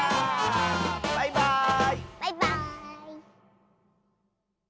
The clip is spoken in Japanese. バイバーイ！